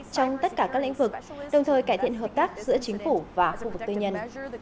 trong tất cả các lĩnh vực đồng thời cải thiện hợp tác giữa chính phủ và khu vực tư nhân